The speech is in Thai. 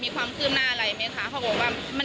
พยาบาลก็ก็ทานความสุข